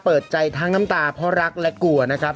เปิดใจทั้งน้ำตาเพราะรักและกลัวนะครับ